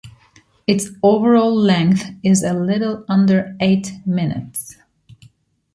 Its overall length is a little under eight minutes.